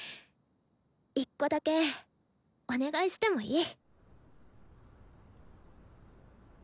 １個だけお願いしてもいい？